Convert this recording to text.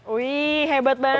ini hebat banget